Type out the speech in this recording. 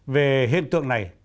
về hiện tượng này